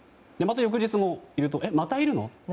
翌日もいるとまたいるの？